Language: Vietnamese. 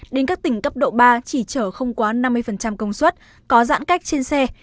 đến các tỉnh cấp độ ba chỉ chở không quá năm mươi công suất có giãn cách trên xe